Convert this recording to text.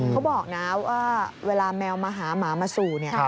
เขาบอกนะว่าเวลาแมวมาหาหมามาสู่